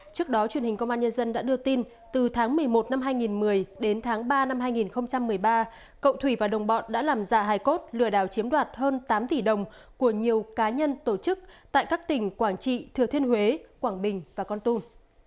trước đó truyền hình công an nhân dân đã đưa tin từ tháng một mươi một năm hai nghìn một mươi đến tháng ba năm hai nghìn một mươi ba cậu thủy và đồng bọn đã làm giả hài cốt lừa đảo chiếm đoạt hơn tám tỷ đồng của nhiều cá nhân tổ chức tại các tỉnh quảng trị thừa thiên huế quảng bình và con tum